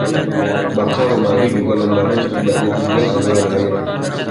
Bangsa Romawi juga membangun setidaknya tiga saluran air.